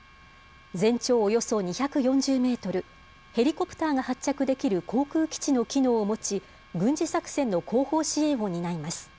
全長およそ２４０メートル、ヘリコプターが発着できる航空基地の機能を持ち、軍事作戦の後方支援を担います。